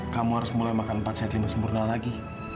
kamu harus mulai makan empat set lima sempurna lagi